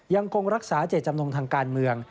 ยังคงรักษาเจตจำนงทางการเมือง